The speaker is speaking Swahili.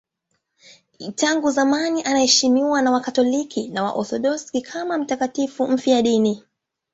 Tangu zamani anaheshimiwa na Wakatoliki na Waorthodoksi kama mtakatifu mfiadini.